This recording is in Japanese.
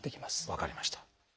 分かりました。